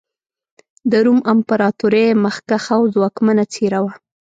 د روم امپراتورۍ مخکښه او ځواکمنه څېره وه.